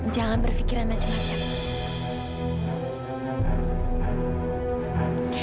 jangan berpikiran macam macam